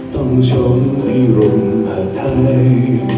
ต้องชมที่ร่วมผ่าไทย